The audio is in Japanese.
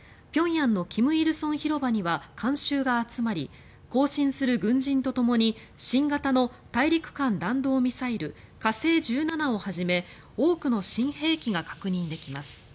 平壌の金日成広場には観衆が集まり行進する軍人とともに新型の大陸間弾道ミサイル火星１７をはじめ多くの新兵器が確認できます。